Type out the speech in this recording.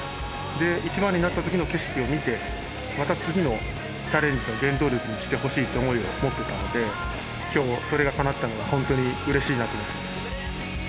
で１番になった時の景色を見てまた次のチャレンジの原動力にしてほしいっていう思いを持ってたので今日それがかなったのがホントにうれしいなと思います。